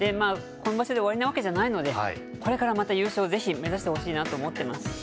今場所で終わりなわけじゃないので、これからまた、ぜひ優勝を目指してほしいなと思っています。